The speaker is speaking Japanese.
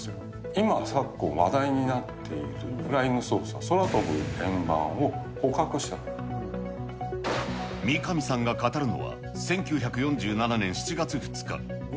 今、昨今、話題になっているフライングソーサー、三上さんが語るのは、１９４７年７月２日。